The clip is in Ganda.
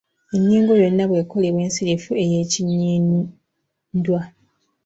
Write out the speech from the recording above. Ennyingo yonna bw’ekolebwa ensirifu ey’ekinnyindwa.